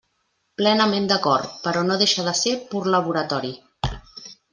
Plenament d'acord, però no deixa de ser pur laboratori.